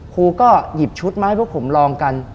ครูก็หยิบชุดมาให้พวกผมลองกัน